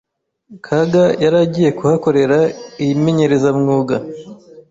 Kaga yari agiye kuhakorera iyimenyerezamwuga